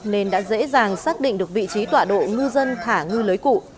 nên đã dễ dàng xác định được vị trí tọa độ ngư dân thả ngư lưới cụ